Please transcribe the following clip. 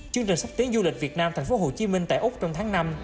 chương trình xúc tiến du lịch việt nam tp hcm tại úc trong tháng năm